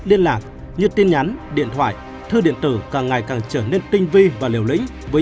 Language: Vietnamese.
liên lạc như tin nhắn điện thoại thư điện tử càng ngày càng trở nên tinh vi và liều lĩnh với